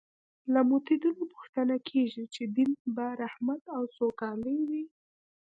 له متدینو پوښتنه کېږي چې دین به رحمت او سوکالي وي.